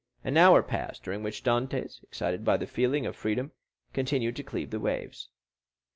An hour passed, during which Dantès, excited by the feeling of freedom, continued to cleave the waves.